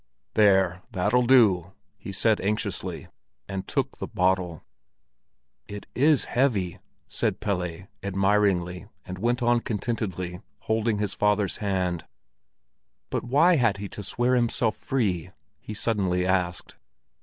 "There! That'll do!" he said anxiously, and took the bottle. "It is heavy!" said Pelle, admiringly, and went on contentedly, holding his father's hand. "But why had he to swear himself free?" he suddenly asked.